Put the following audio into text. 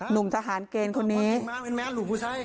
หนุ่มทหารเกณฑ์คนนี้